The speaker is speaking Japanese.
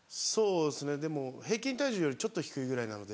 でも平均体重よりちょっと低いぐらいなので。